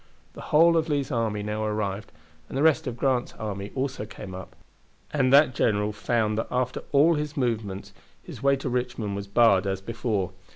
The whole of Lee's army now arrived, and the rest of Grant's army also came up, and that general found that after all his movements his way to Richmond was barred as before.